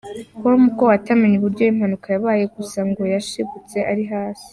com ko atamenye uburyo impanuka yabaye, gusa ngo yashigutse ari hasi.